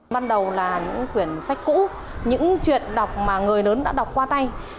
ban đầu là những quyển sách cũ những chuyện đọc mà người lớn đã đọc qua tay